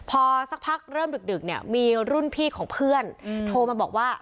พอสักพักเริ่มดึกเนี่ยมีรุ่นพี่ของเพื่อนโทรมาบอกว่า